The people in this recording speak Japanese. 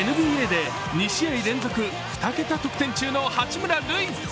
ＮＢＡで２試合連続２桁得点中の八村塁。